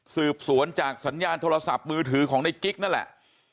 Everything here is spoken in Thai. สืบสวนจากสัญญาณโทรศัพท์มือถือของในกิ๊กนั่นแหละ